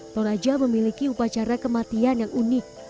tonaja memiliki upacara kematian yang unik